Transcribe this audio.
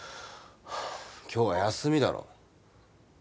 今日は休みだろ。